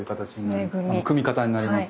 あの組み方になります。